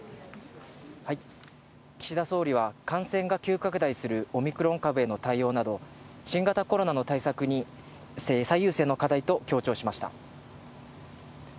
岸田総理は、感染が急拡大するオミクロン株への対応など、新型コロナの対策に最優先の課題と強調しました。